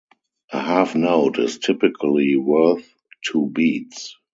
A half note is typically worth two beats.